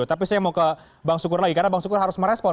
tapi saya mau ke bang sukur lagi karena bang sukur harus merespon